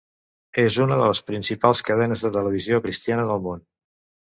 És una de les principals cadenes de televisió cristiana del Món.